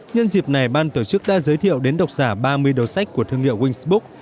nhân dịp này ban tổ chức đã giới thiệu đến độc giả ba mươi đầu sách của thương hiệu wing book